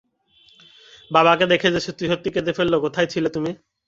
বাবাকে দেখে সে সত্যি-সত্যি কেঁদে ফেলল, কোথায় ছিলে তুমি?